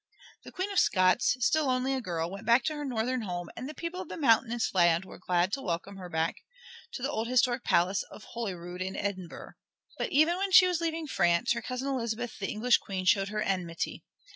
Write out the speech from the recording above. The Queen of Scots, still only a girl, went back to her northern home, and the people of that mountainous land were glad to welcome her to the old historic Palace of Holyrood in Edinburgh. But even when she was leaving France her cousin Elizabeth the English Queen showed her enmity.